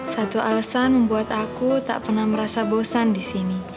satu alesan membuat aku tak pernah merasa bosan disini